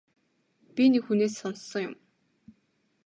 Би нэг хүнээс сонссон юм.